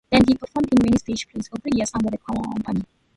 Then he performed in many stage plays for three years under the company.